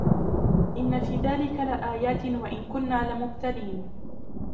إن في ذلك لآيات وإن كنا لمبتلين